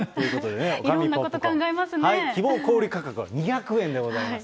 希望小売り価格は２００円でございます。